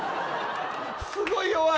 すごい弱い。